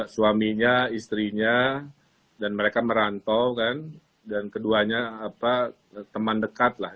suaminya istrinya dan mereka merantau dan keduanya teman dekat lah